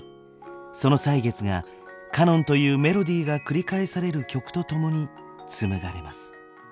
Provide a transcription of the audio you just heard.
その歳月が「カノン」というメロディーが繰り返される曲と共に紡がれます。